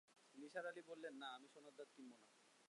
নিসার আলি বললেন, না, আমি সোনার দাঁত কিনব না।